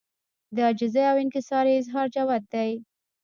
د عاجزۍاو انکسارۍ اظهار جوت دی